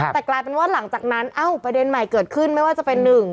แต่กลายเป็นว่าหลังจากนั้นเอ้าประเด็นใหม่เกิดขึ้นไม่ว่าจะเป็นหนึ่ง